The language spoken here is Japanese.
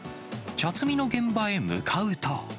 茶摘みの現場へ向かうと。